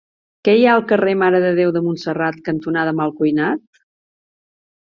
Què hi ha al carrer Mare de Déu de Montserrat cantonada Malcuinat?